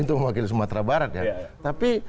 untuk mewakili sumatera barat ya tapi